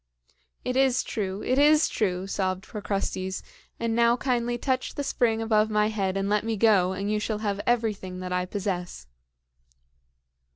"It is true! it is true!" sobbed Procrustes; "and now kindly touch the spring above my head and let me go, and you shall have everything that I possess."